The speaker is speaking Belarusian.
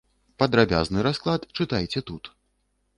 Падрабязны расклад чытайце тут.